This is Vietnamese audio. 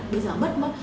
bây giờ mất mất